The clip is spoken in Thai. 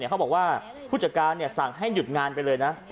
เขาบอกว่าผู้จัดการสั่งให้หยุดงานไปเลยนะ